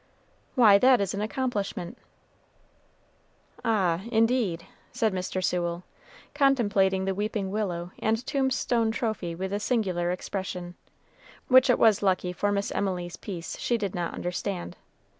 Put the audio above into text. "Why, that is an accomplishment." "Ah, indeed!" said Mr. Sewell, contemplating the weeping willow and tombstone trophy with a singular expression, which it was lucky for Miss Emily's peace she did not understand.